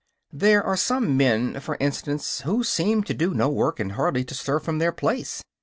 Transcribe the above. There are some men, for instance, who seem to do no work and hardly to stir from their place.